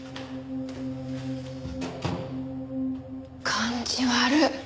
感じ悪っ！